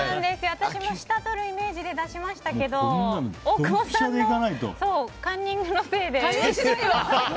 私も下とるイメージで出しましたけど大久保さんのカンニングのせいで。